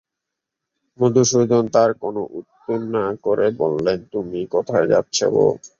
মধুসূদন তার কোনো উত্তর না করে বললে, তুমি কোথায় যাচ্ছ বউ?